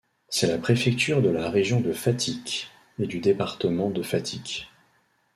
C'est la préfecture de la région de Fatick et du département de Fatick.